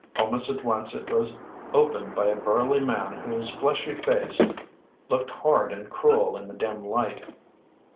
Almost at once it was opened by a burly man whose fleshy face looked hard and cruel in the dim light.